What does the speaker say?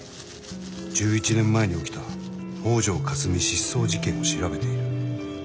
１１年前に起きた「北條かすみ失踪事件」を調べている。